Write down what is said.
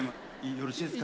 よろしいですか？